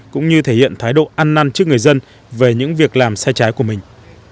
cũng như thể hiện thái độ ăn năn trước người dân về những việc làm sai trái của mình